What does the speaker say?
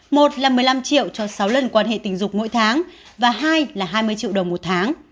một là một mươi năm triệu cho sáu lần quan hệ tình dục mỗi tháng và hai là hai mươi triệu đồng một tháng